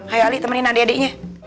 ayo ali temenin adik adiknya